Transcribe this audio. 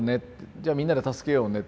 じゃあみんなで助けようねって